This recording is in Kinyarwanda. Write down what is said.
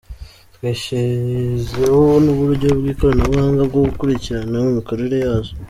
Twashyizeho n’uburyo bw’ikoranabuhanga bwo gukurikirana imikorere yazo.